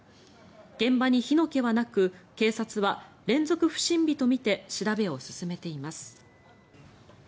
現場に火の気はなく警察は連続不審火とみて調べを進めています。